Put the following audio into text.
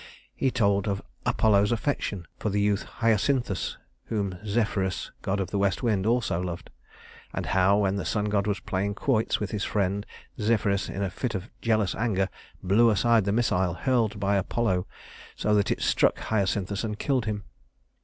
He told of Apollo's affection for the youth Hyacinthus, whom Zephyrus, god of the west wind, also loved; and how, when the sun god was playing quoits with his friend, Zephyrus in a fit of jealous anger blew aside the missile hurled by Apollo so that it struck Hyacinthus and killed him.